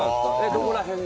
どこら辺が。